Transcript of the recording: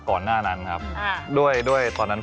แล้วไม่ดู